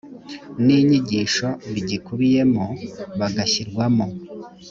n inyigisho bigikubiyemo bagashyirwamo